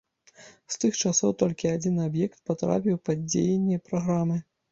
З тых часоў толькі адзін аб'ект патрапіў пад дзеянне праграмы.